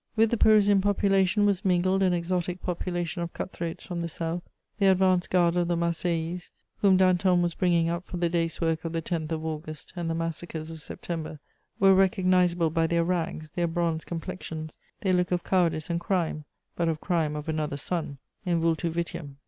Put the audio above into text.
With the Parisian population was mingled an exotic population of cut throats from the south; the advance guard of the Marseillese, whom Danton was bringing up for the day's work of the 10th of August and the massacres of September, were recognisable by their rags, their bronzed complexions, their look of cowardice and crime, but of crime of another sun: _in vultu vitium.